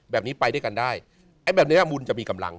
แบบนี้ไปด้วยกันได้ไอ้แบบนี้มุนจะมีกำลัง